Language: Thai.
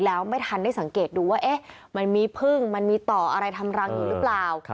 แล้วไม่ทันได้สังเกตดูว่ามันมีพึ่งมันมีต่ออะไรทำรังอยู่หรือเปล่า